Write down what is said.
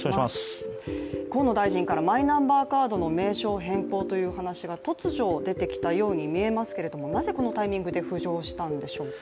河野大臣からマイナンバーカードの名称変更という話が突如、出てきたように見えますけれどもなぜこのタイミングで浮上したんでしょうか。